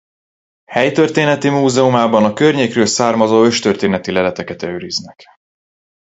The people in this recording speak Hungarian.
Helytörténeti múzeumában a környékről származó őstörténeti leleteket őriznek.